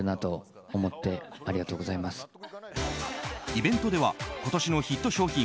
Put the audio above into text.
イベントでは今年のヒット商品